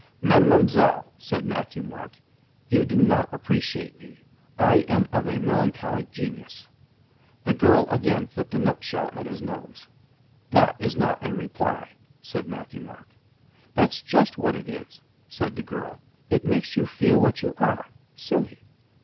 "Mademoiselle," said Matthieu Marc, "you do not THE HOME OF LOST CAUSES 207 appreciate me. I am of a melancholic genius." The girl again flicked a nutshell at his nose. "That is not a reply," said Matthieu Marc. "That's just what it is," said the girl. "It makes you feel what you are — silly."